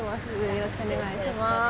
よろしくお願いします。